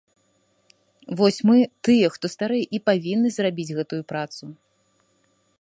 Вось мы, тыя, хто старэй, і павінны зрабіць гэтую працу.